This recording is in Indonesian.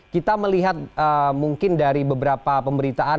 kita melihat mungkin dari beberapa pemberitaan